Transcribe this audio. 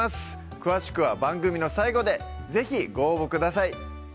詳しくは番組の最後で是非ご応募ください